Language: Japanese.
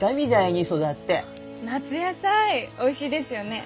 夏野菜おいしいですよね。